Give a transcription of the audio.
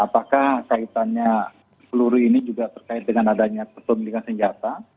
apakah kaitannya peluru ini juga terkait dengan adanya kepemilikan senjata